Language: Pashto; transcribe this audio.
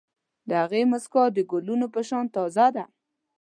د هغې موسکا د ګلونو په شان تازه ده.